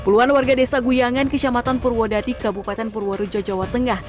puluhan warga desa guyangan kecamatan purwodadi kabupaten purworejo jawa tengah